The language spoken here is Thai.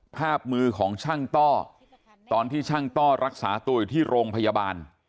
ภาพมือของช่างต้อตอนที่ช่างต้อรักษาตัวอยู่ที่โรงพยาบาล